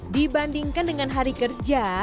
dibandingkan dengan hari kerja